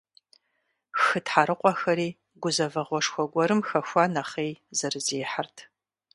Хы тхьэрыкъуэхэри, гузэвэгъуэшхуэ гуэрым хэхуа нэхъей, зэрызехьэрт.